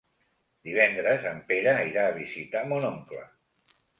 Divendres en Pere irà a visitar mon oncle.